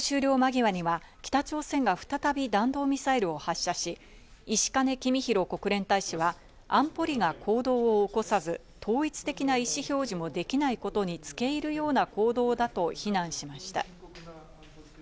会合終了間際には北朝鮮が再び弾道ミサイルを発射し、石兼公博国連大使は安保理が行動を起こさず、統一的な意思表示もできないことにつけ入るような行動だと非難しました。